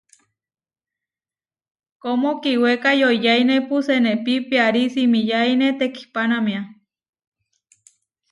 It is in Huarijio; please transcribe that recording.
Kómo kiweká yoʼiyáinepu senépi piarí simiyáine tekihpánamia.